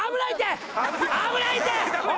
危ないって！